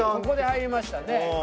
ここで入りましたね。